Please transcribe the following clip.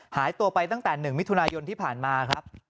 หายตัวไปตั้งแต่๑มิถุนายนที่ผ่านมาครับ